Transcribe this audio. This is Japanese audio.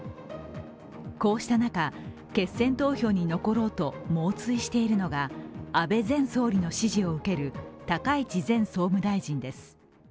こうした中、決選投票に残ろうと猛追しているのが安倍前総理の支持を受ける高市前総務大臣です。